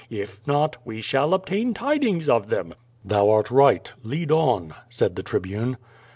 If not we shall obtain tid ings of them/' "Thou art right. Lead on!" said the Tribune.